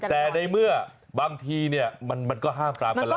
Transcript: แต่ในเมื่อบางทีเนี่ยมันก็ห้ามปรามกันแล้ว